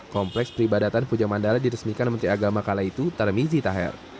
kompleks peribadatan puja mandala diresmikan menteri agama kala itu tarmizi taher